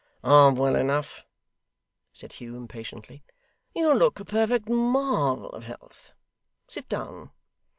'I'm well enough,' said Hugh impatiently. 'You look a perfect marvel of health. Sit down.